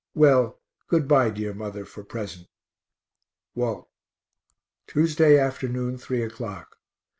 Well, good bye, dear mother, for present. WALT. _Tuesday afternoon, 3 o'clock.